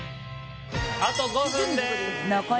あと５分です